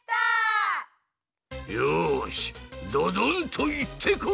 よしドドンといってこい！